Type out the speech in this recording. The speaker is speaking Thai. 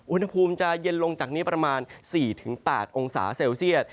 อุณหภูมิจะเย็นลงจากนี้ประมาณ๔๘องศาเซลเซียต